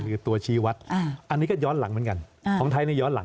คือตัวชี้วัดอันนี้ก็ย้อนหลังเหมือนกัน